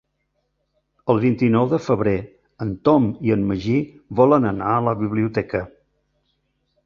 El vint-i-nou de febrer en Tom i en Magí volen anar a la biblioteca.